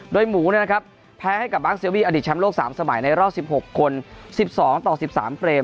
โดยหมูแพ้ให้กับบาสเซลวีอดีตแชมป์โลก๓สมัยในรอบ๑๖คน๑๒ต่อ๑๓เฟรม